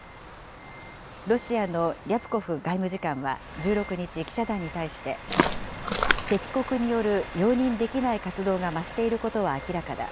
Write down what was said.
ロシアのリャプコフ外務次官は１６日、記者団に対して、敵国による容認できない活動が増していることは明らかだ。